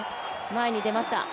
前に出ました。